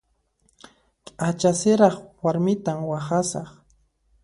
P'acha siraq warmitan waqhasaq.